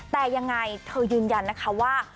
แต่ยังไงเธอยืนยันนะคะว่า